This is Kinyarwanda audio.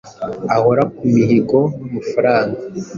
ahora ku muhigo wamafaranga